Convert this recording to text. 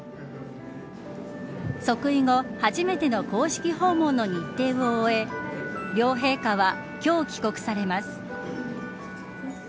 即位後初めての公式訪問の日程を終え両陛下は今日、帰国されます。